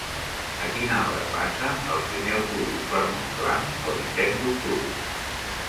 A quina hora passa el primer autobús per Montblanc el disset d'octubre?